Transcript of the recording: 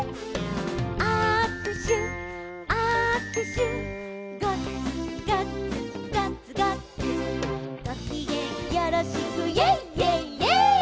「あくしゅあくしゅ」「ガッツガッツガッツガッツ」「ごきげんよろしく」「イェイイェイイェイ！」